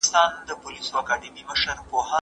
خدای قادر دی او نظر یې همېشه پر لویو غرونو